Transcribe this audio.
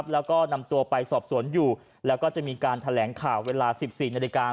แล้วก็นำตัวไปสอบสวนอยู่และก็จะมีการแสดงแสดงค่าเวลา๑๔น